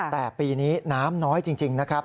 แต่ปีนี้น้ำน้อยจริงนะครับ